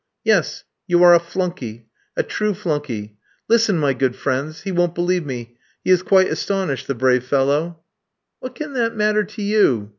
"Yes, you are a flunkey; a true flunkey. Listen, my good friends. He won't believe me. He is quite astonished, the brave fellow." "What can that matter to you?